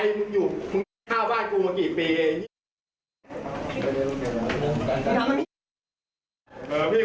โรงมึงทำด้วยอะไรจริงใจของมึงไอเหี้ย